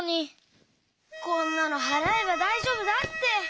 こんなのはらえばだいじょうぶだって！